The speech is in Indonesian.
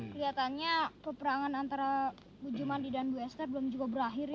kelihatannya peperangan antara bu jum'andi dan bu esther belum juga berakhir ya